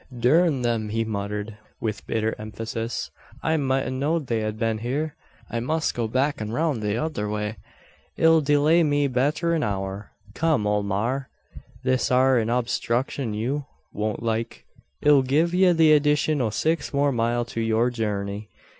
"Durn them!" he muttered, with bitter emphasis. "I mout a know'd they'd a bin hyur. I must go back an roun' the tother way. It'll deelay me better'n a hour. Come, ole maar! This air an obstruckshun you, won't like. It'll gi'e ye the edition o' six more mile to yur journey.